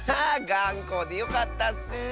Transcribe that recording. がんこでよかったッス。